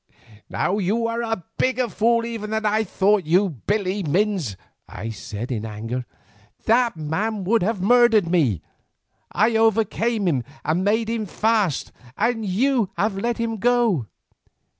"Now you are a bigger fool even than I thought you, Billy Minns," I said in anger. "That man would have murdered me, I overcame him and made him fast, and you have let him go."